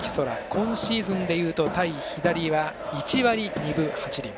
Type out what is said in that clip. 今シーズンでいうと、対左は１割２分８厘。